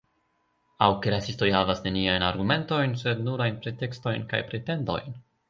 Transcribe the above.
Aŭ ke rasistoj havas neniajn argumentojn, sed nurajn pretekstojn kaj pretendojn.